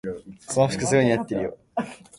その服すごく似合ってるよ。